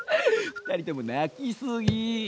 ２人とも泣きすぎ！